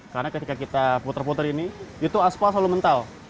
karena ketika kita putar putar ini asfal selalu mental